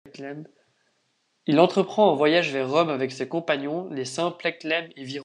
Il entreprend un voyage vers Rome avec ses compagnons, les saints Plechelm et Wiro.